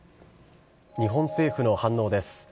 日本政府の反応です。